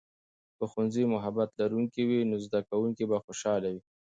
که ښوونځی محبت لرونکی وي، نو زده کوونکي به خوشاله وي.